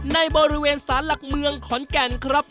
ในบริเวณสารหลักเมืองขอนแก่นครับ